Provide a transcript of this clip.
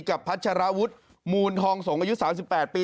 พัชรวุฒิมูลทองสงฆ์อายุ๓๘ปี